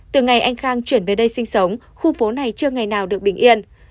từ ngày anh khang chuyển về đây sinh sống khu phố này chưa ngày nào được bình yên